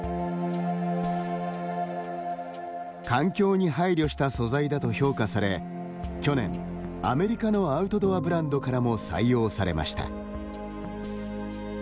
環境に配慮した素材だと評価され去年、アメリカのアウトドアブランドからも採用されました。